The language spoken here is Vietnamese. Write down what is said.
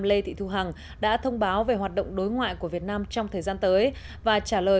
lê thị thu hằng đã thông báo về hoạt động đối ngoại của việt nam trong thời gian tới và trả lời